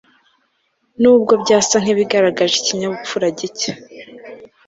nubwo byasa nk'ibigaragaje ikinyabupfura gike